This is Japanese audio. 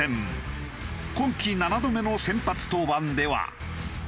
今季７度目の先発登板では。